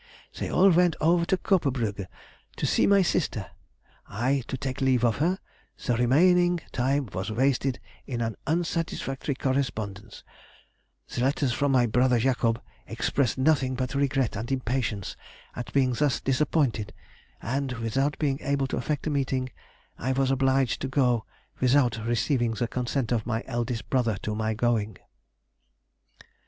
They all went over to Coppenbrügge "to see my sister—I to take leave of her; the remaining time was wasted in an unsatisfactory correspondence: the letters from my brother Jacob expressed nothing but regret and impatience at being thus disappointed, and, without being able to effect a meeting, I was obliged to go without receiving the consent of my eldest brother to my going....